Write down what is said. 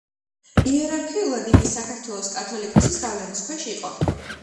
იერარქიულად იგი საქართველოს კათოლიკოსის გავლენის ქვეშ იყო.